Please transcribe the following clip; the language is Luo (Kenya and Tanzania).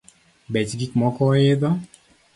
Bech gikmoko oidho